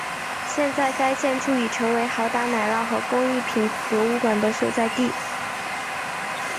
现在该建筑已成为豪达奶酪和工艺品博物馆的所在地。